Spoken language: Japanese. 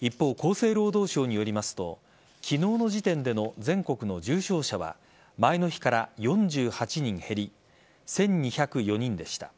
一方、厚生労働省によりますと昨日の時点での全国の重症者は前の日から４８人減り１２０４人でした。